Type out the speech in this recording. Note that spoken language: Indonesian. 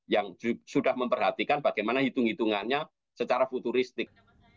yang sudah memperhatikan bagaimana hitung hitungannya secara futuristik